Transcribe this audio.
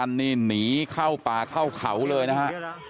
นี่หนีเข้าป่าเข้าเขาเลยนะฮะ